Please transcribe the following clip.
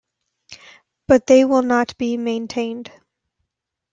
But they will not be maintained.